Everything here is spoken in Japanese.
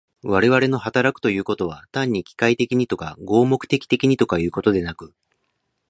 我々の働くということは、単に機械的にとか合目的的にとかいうことでなく、